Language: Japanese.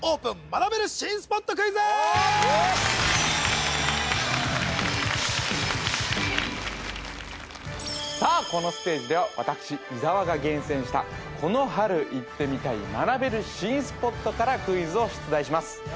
学べる新スポットクイズさあこのステージでは私伊沢が厳選したこの春行ってみたい学べる新スポットからクイズを出題します